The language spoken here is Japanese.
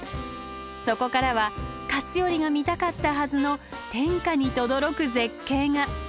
そこからは勝頼が見たかったはずの天下にとどろく絶景が。